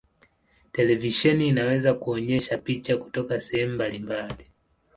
Televisheni inaweza kuonyesha picha kutoka sehemu mbalimbali.